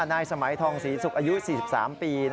นายสมัยทองศรีศุกร์อายุ๔๓ปี